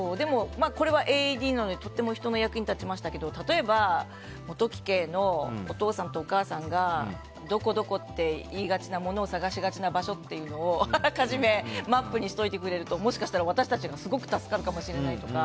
これはＡＥＤなので人の役に立ちましたけど例えば、元木家のお父さんとお母さんがどこどこって言いがちなものを探しがちな場所っていうのをあらかじめマップにしておくと私たちが助かるかもしれないとか。